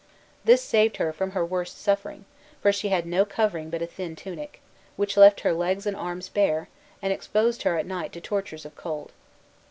This saved her from her worst suffering; for she had no covering but a thin tunic, which left her legs and arms bare, and exposed her at night to tortures of cold.